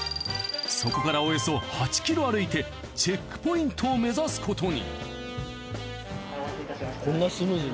そこからおよそ８ｋｍ歩いてチェックポイントを目指すことに。